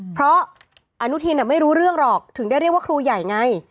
เพราะอนุทินไม่รู้เรื่องหรอกถึงได้เรียกว่าครูใหญ่ไง